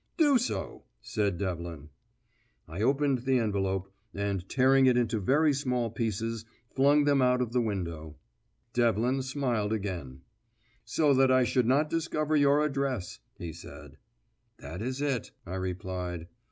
"Do so," said Devlin. I opened the envelope, and tearing it into very small pieces flung them out of window. Devlin smiled again. "So that I should not discover your address," he said. "That is it," I replied.